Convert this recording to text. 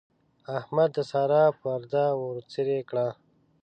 احمد د سارا پرده ورڅېرې کړه.